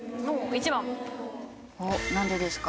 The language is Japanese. おっなんでですか？